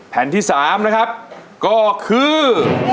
แผ่นที่๓นะครับก็คือ